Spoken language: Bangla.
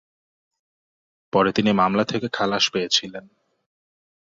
পরে তিনি মামলা থেকে খালাস পেয়েছিলেন।